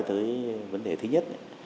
tới vấn đề thứ nhất